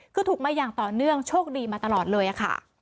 คือถูกมาอย่างต่อเนื่องโชคดีมาตลอดเลยค่ะ